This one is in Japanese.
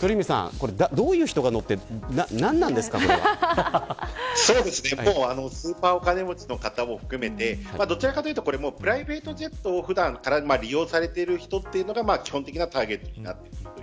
鳥海さん、どういう人が乗ってスーパーお金持ちの方も含めてどちらかというとプライベートジェットを普段から利用されている方が基本的なターゲットになっています。